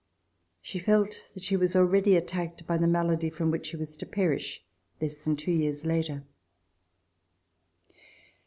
She felt that she was already attacked by the malady from which she was to perish less than two years later.